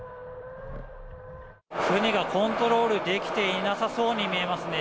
船がコントロールできていなさそうに見えますね。